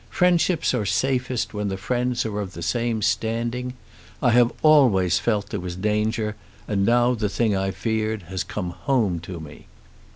Friendships are safest when the friends are of the same standing. I have always felt there was danger, and now the thing I feared has come home to me.